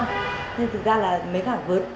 nên thực ra là mấy cả vượt